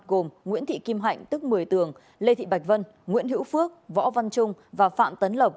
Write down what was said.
gồm nguyễn thị kim hạnh tức một mươi tường lê thị bạch vân nguyễn hữu phước võ văn trung và phạm tấn lộc